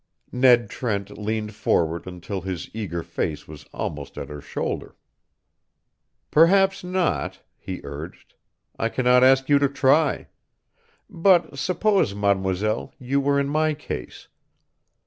Ned Trent leaned forward until his eager face was almost at her shoulder. "Perhaps not," he urged; "I cannot ask you to try. But suppose, mademoiselle, you were in my case.